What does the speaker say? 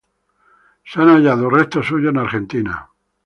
Se han hallado restos suyos en Argentina.